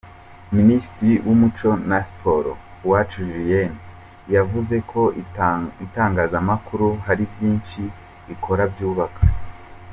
Minisitiri w’Umuco na Siporo, Uwacu Julienne, yavuze ko itangazamakuru hari byinshi rikora byubaka.